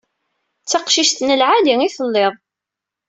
D taqcict n lɛali i telliḍ.